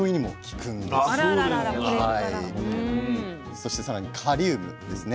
そして更にカリウムですね。